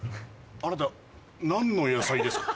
あなた何の野菜ですか？